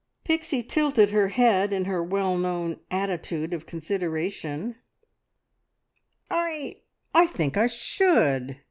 Pixie tilted her head in her well known attitude of consideration. "I I think I should!"